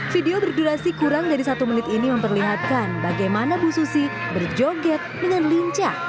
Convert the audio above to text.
video berdurasi kurang dari satu menit ini memperlihatkan bagaimana bu susi berjoget dengan lincah